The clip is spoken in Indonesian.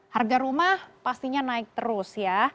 harga rumah pastinya naik terus ya